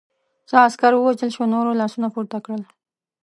څه عسکر ووژل شول، نورو لاسونه پورته کړل.